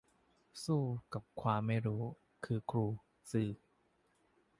สู้กับความไม่รู้ คือครู สื่อ